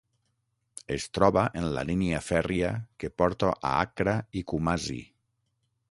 Es troba en la línia fèrria que porta a Accra i Kumasi.